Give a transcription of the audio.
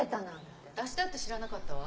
・私だって知らなかったわ。